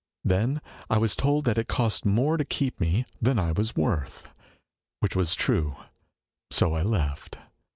Then I was told that it cost more to keep me than I was worth ; which was true. So I left.